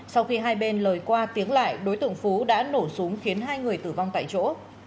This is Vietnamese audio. sau khi hai bên lời qua tiếng lại đối tượng phú đã nổ súng khiến hai người tử vong tại chỗ